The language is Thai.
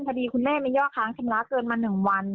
คดีคุณแม่มีย่อค้างชำระเกินมา๑วัน